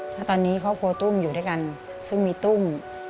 ถ้าตอนนี้ครอบครัวตุ้มอยู่ด้วยกันซึ่งมีตุ้ม